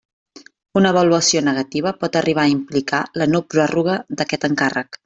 Una avaluació negativa pot arribar a implicar la no-pròrroga d'aquest encàrrec.